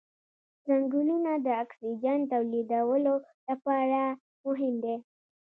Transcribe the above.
ځنګلونه د اکسیجن تولیدولو لپاره مهم دي